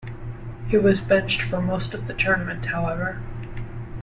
He was benched for most of the tournament, however.